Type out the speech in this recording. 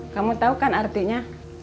kamu tahu kan artinya